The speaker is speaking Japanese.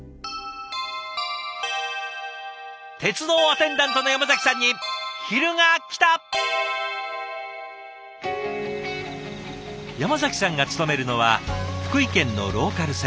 鉄道アテンダントの山崎さんが勤めるのは福井県のローカル線